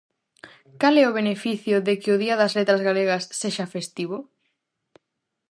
Cal é o beneficio de que o Día das Letras Galegas sexa festivo?